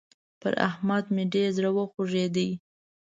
پر احمد مې ډېر زړه وخوږېد.